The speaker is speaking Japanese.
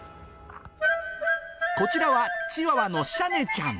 こちらはチワワのしゃねちゃん。